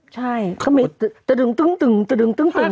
ใช่ไม่ตึก